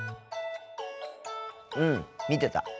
うん見てた。